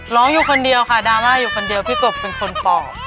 ร้องอยู่คนเดียวค่ะดราม่าอยู่คนเดียวพี่กบเป็นคนปอบ